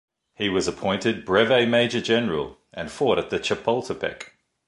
He was appointed brevet major general and fought at the Chapultepec.